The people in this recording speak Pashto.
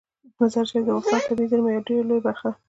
مزارشریف د افغانستان د طبیعي زیرمو یوه ډیره لویه برخه ده.